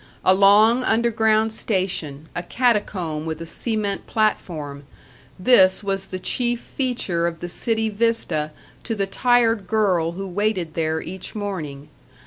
A long underground station, a catacomb with a cement platform, this was the chief feature of the city vista to the tired girl who waited there each morning.